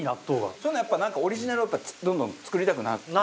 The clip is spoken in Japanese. そういうのはやっぱオリジナルをどんどん作りたくなるんですか？